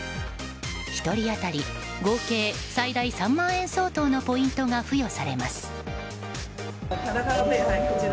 １人当たり合計最大３万円相当のポイントが付与されます。